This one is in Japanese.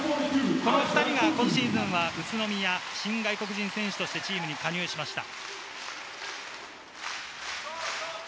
この２人が今シーズンは宇都宮、新外国人選手としてチームに加入しました。